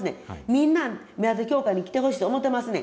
みんなメダデ教会に来てほしいと思うてますねん。